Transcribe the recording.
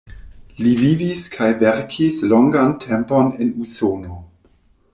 Li vivis kaj verkis longan tempon en Usono.